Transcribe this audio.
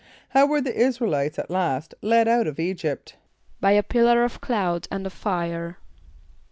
= How were the [)I][s+]´ra el [=i]tes at last led out of [=E]´[.g][)y]pt? =By a pillar of cloud and of fire.